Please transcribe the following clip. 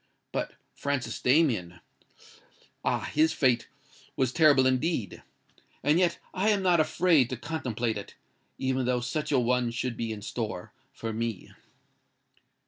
But Francis Damien—ah! his fate was terrible indeed! And yet I am not afraid to contemplate it—even though such a one should be in store for me."